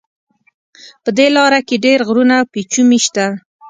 په دې لاره کې ډېر غرونه او پېچومي شته.